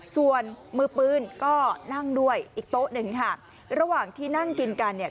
ส่วนมือปืนก็นั่งด้วยอีกโต๊ะหนึ่งค่ะระหว่างที่นั่งกินกันเนี่ย